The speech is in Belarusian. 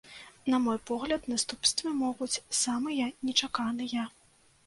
На мой погляд, наступствы могуць самыя нечаканыя.